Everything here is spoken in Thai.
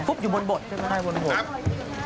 ฟุ๊บอยู่บนบดใช่ไหมคะใช่บนหกใช่